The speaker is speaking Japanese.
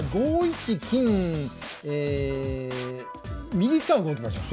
右側動きましょう。